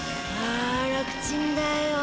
あ楽ちんだよ。